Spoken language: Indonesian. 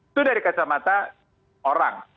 itu dari kacamata orang